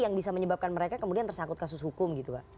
yang bisa menyebabkan mereka kemudian tersangkut kasus hukum gitu pak